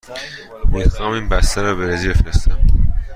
می خواهم این بسته را به برزیل بفرستم.